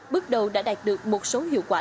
bước đầu đã đạt được một số hiệu quả